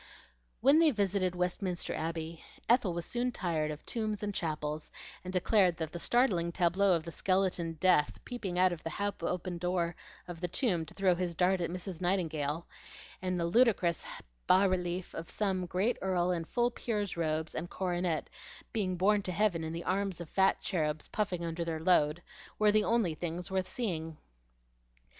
When they visited Westminster Abbey, Ethel was soon tired of tombs and chapels, and declared that the startling tableau of the skeleton Death peeping out of the half opened door of the tomb to throw his dart at Mrs. Nightingale, and the ludicrous has relief of some great earl in full peer's robes and coronet being borne to heaven in the arms of fat cherubs puffing under their load, were the only things worth seeing.